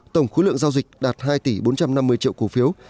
tổng khối lượng giao dịch đạt hai tỷ bốn trăm năm mươi triệu cổ phiếu